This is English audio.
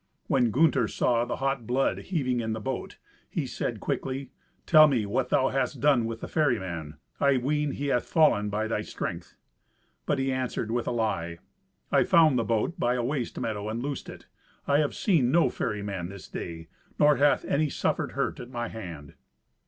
When Gunther saw the hot blood heaving in the boat, he said quickly, "Tell me what thou hast done with the ferryman. I ween he hath fallen by thy strength." But he answered with a lie, "I found the boat by a waste meadow, and loosed it. I have seen no ferryman this day, nor hath any suffered hurt at my hand."